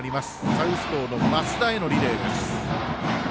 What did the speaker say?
サウスポーの増田へのリレーです。